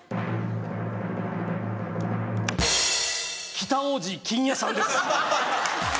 北大路欣也さんです。